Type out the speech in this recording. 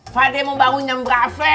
fadimu bangun nyembrafe